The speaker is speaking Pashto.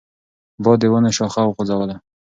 باد د ونو شاخه وخوځوله.